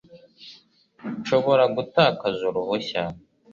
Nshobora gutakaza uruhushya